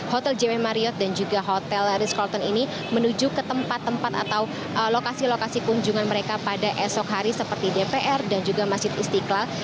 hotel jw mariot dan juga hotel rizklarton ini menuju ke tempat tempat atau lokasi lokasi kunjungan mereka pada esok hari seperti dpr dan juga masjid istiqlal